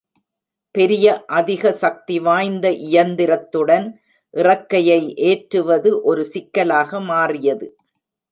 பெரிய, அதிக சக்திவாய்ந்த இயந்திரத்துடன், இறக்கையை ஏற்றுவது ஒரு சிக்கலாக மாறியது.